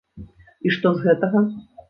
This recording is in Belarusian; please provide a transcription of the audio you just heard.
І што з гэтага?